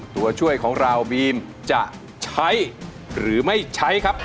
ตัวช่วยของเราบีมจะใช้หรือไม่ใช้ครับ